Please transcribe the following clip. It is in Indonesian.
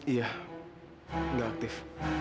iya enggak aktif